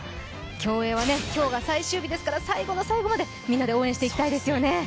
競泳は、今日が最終日ですから最後の最後までみんなで応援していきたいですよね。